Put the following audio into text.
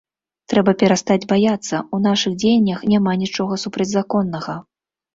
Трэба перастаць баяцца, у нашых дзеяннях няма нічога супрацьзаконнага.